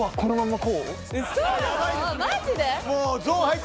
マジで？